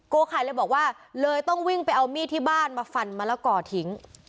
ไข่เลยบอกว่าเลยต้องวิ่งไปเอามีดที่บ้านมาฟันมะละกอทิ้ง